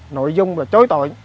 nội dung là chối tội